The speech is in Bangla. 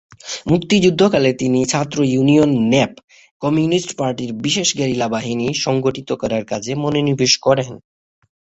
মুক্তিযুদ্ধকালে তিনি ছাত্র ইউনিয়ন-ন্যাপ কমিউনিস্ট পার্টির বিশেষ গেরিলা বাহিনী সংগঠিত করার কাজে মনোনিবেশ করেন।